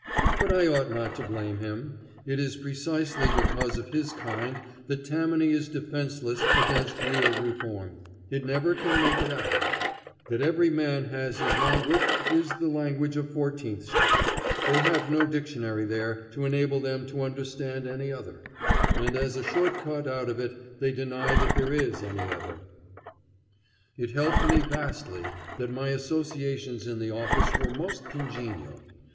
But I ought not to blame him. It is precisely because of his kind that Tammany is defenceless against real reform. It never can make it out. That every man has his price is the language of Fourteenth Street. They have no dictionary there to enable them to understand any other; and as a short cut out of it they deny that there is any other. It helped me vastly that my associations in the office were most congenial.